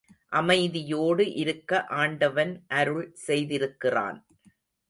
அமைதியோடு இருக்க ஆண்டவன் அருள் செய்திருக்கிறான்.